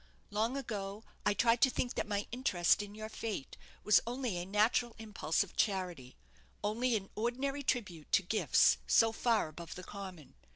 Long ago I tried to think that my interest in your fate was only a natural impulse of charity only an ordinary tribute to gifts so far above the common.